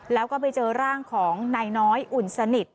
แล้วก็ไปเจอร่างของนายน้อยอุ่นสนิท